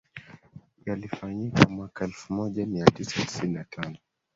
yalifanyika mwaka elfu moja mia tisa tisini na tano